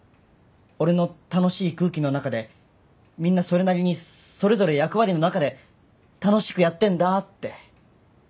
俺の楽しい空気の中でみんなそれなりにそれぞれ役割の中で楽しくやってんだって。